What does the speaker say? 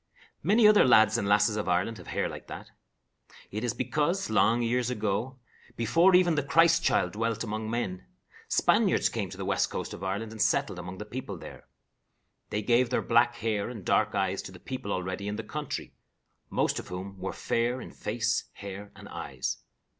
Many other lads and lasses of Ireland have hair like that. It is because, long years ago, before even the Christ child dwelt among men, Spaniards came to the west coast of Ireland and settled among the people there. They gave their black hair and dark eyes to the people already in the country, most of whom were fair in face, hair, and eyes.